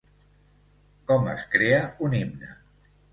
Com es crea un himne.